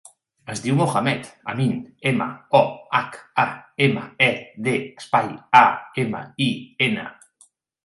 Es diu Mohamed amin: ema, o, hac, a, ema, e, de, espai, a, ema, i, ena.